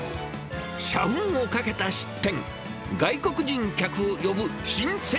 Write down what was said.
社運を賭けた出店。